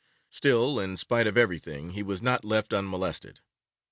Still, in spite of everything, he was not left unmolested.